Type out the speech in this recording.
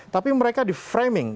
tapi mereka diframing